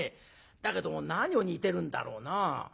だけども何を煮てるんだろうな。